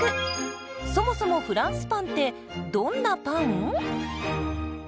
そもそもフランスパンってどんなパン？